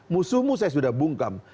musuhmu saya sudah bungkam